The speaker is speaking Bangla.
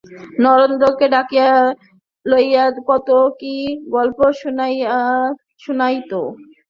নরেন্দ্রকে ডাকিয়া লইয়া কত কী গল্প শুনাইত।